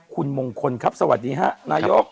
คุณมงคลสวัสดีฮะนายก